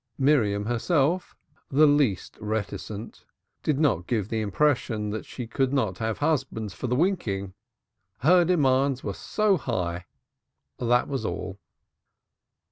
Miriam herself, the least reticent, did not give the impression that she could not have husbands for the winking. Her demands were so high that was all.